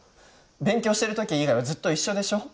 勉強してるとき以外はずっと一緒でしょ